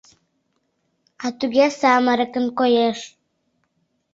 «А туге самырыкын коеш.